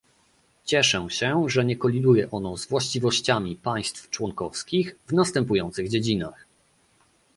Cieszę się, że nie koliduje ono z właściwościami państw członkowskich w następujących dziedzinach